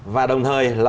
và đồng thời là